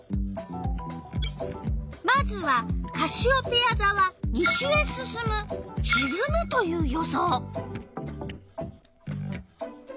まずはカシオペヤざは「西へ進む」「しずむ」という予想。